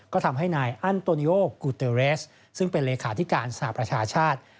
ก็ทำให้นายอันโตนิโอกูเตอร์เรสซึ่งเป็นเลขาธิการสหประชาชาติ